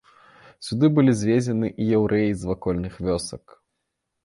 Сюды былі звезены і яўрэі з вакольных вёсак.